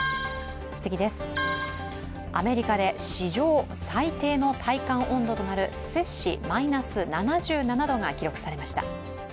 アメリカで史上最低の体感温度となる摂氏マイナス７７度が記録されました。